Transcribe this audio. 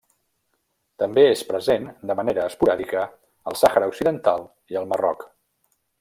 També és present de manera esporàdica al Sàhara Occidental i al Marroc.